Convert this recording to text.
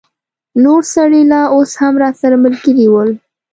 نور سړي لا اوس هم راسره ملګري ول.